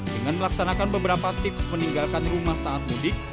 dengan melaksanakan beberapa tip meninggalkan rumah saat mudik